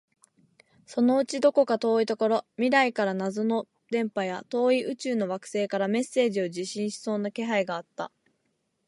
そのうちどこか遠いところ、未来から謎の電波や、遠い宇宙の惑星からメッセージを受信しそうな気配があった